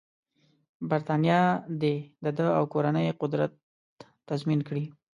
برټانیه دې د ده او کورنۍ قدرت تضمین کړي.